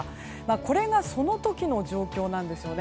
これがその時の状況なんですよね。